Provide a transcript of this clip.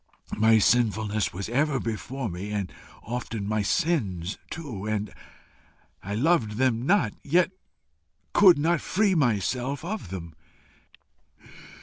My sinfulness was ever before me, and often my sins too, and I loved them not, yet could not free myself of them.